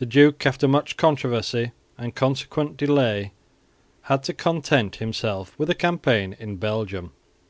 The duke, after much controversy and consequent delay, had to content himself with a campaign in Belgium.